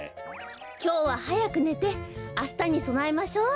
きょうははやくねてあしたにそなえましょう。